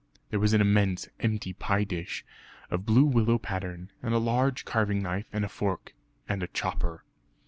There was an immense empty pie dish of blue willow pattern, and a large carving knife and fork, and a chopper.